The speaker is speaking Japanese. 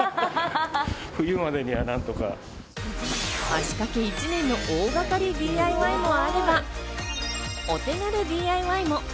足かけ１年の大がかりＤＩＹの後は、お手軽ＤＩＹも。